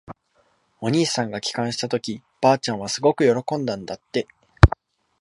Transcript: お兄さんが帰還したとき、ばあちゃんはすごく喜んだんだって。